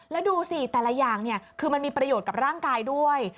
แล้วดูสิแต่ละอย่างคือมันมีประโยชน์กับร่างกายด้วย